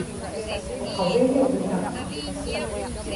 uqaviḷugnak